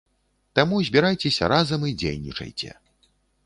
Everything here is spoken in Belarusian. Таму збірайцеся разам і дзейнічайце.